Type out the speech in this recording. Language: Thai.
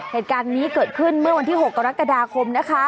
เหตุการณ์นี้เกิดขึ้นเมื่อวันที่๖กรกฎาคมนะคะ